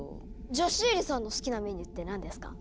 じゃあシエリさんの好きなメニューって何ですか？